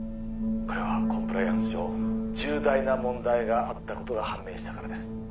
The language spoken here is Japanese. これはコンプライアンス上重大な問題があったことが判明したからです